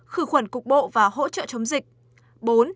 khử khuẩn cục bộ và hỗ trợ chống dịch